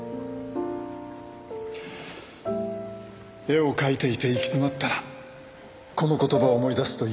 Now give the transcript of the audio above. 絵を描いていて行き詰まったらこの言葉を思い出すといいよ。